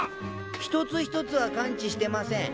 一つ一つは関知してません。